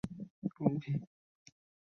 Gió heo may dường như không thổi nữa